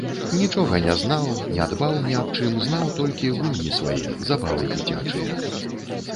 Нічога не знаў, не дбаў ні аб чым, знаў толькі гульні свае, забавы дзіцячыя.